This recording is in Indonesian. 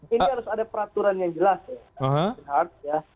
ini harus ada peraturan yang jelas ya